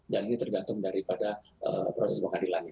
dan ini tergantung daripada proses pengadilan